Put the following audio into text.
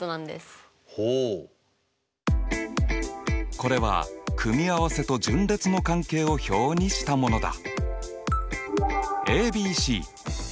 これは組合せと順列の関係を表にしたものだ。